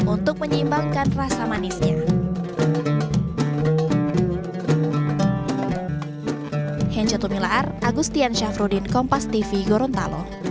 untuk menyeimbangkan rasa manisnya